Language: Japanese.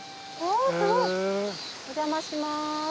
お邪魔しまーす。